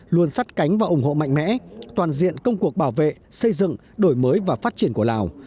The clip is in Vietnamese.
luôn sắt cánh và ủng hộ mạnh mẽ toàn diện công cuộc bảo vệ xây dựng đổi mới và phát triển của lào